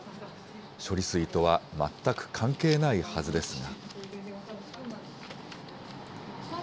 処理水とは全く関係ないはずですが。